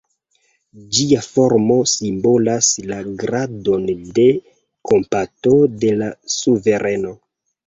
Ĝia formo simbolas la gradon de kompato de la suvereno.